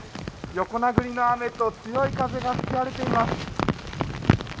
横殴りの雨と強い風が吹き荒れています。